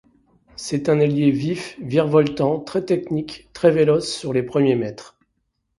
C'est un ailier vif, virevoltant, très technique, très véloce sur les premiers mètres.